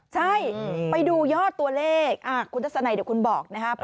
ใช่ไปดูยอดตัวเลขคุณทัศนัยเดี๋ยวคุณบอกนะครับ